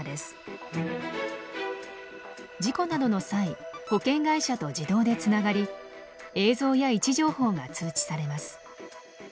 事故などの際保険会社と自動でつながり映像や位置情報が通知されます。